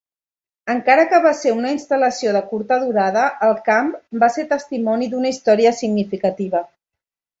Encara que va ser una instal·lació de curta durada, el camp va ser testimoni d'una història significativa.